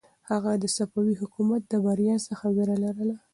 هغه د صفوي حکومت له برید څخه وېره لرله.